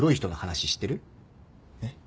えっ？